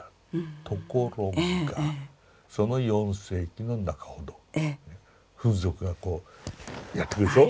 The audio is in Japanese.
ところがその４世紀の中ほどフン族がこうやって来るでしょ。